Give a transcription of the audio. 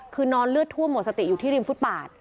คือนอนเลือดท่วมหมดสติอยู่ที่ริมฟุตบาท